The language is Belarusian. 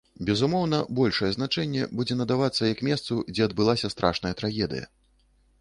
Безумоўна, большае значэнне будзе надавацца як месцу, дзе адбылася страшная трагедыя.